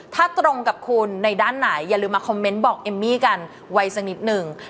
ถ้าตรงกับคุณในด้านไหนอย่าลืมมาคอมเมนต์บอกเอมมี่กันไว้สักนิดหนึ่ง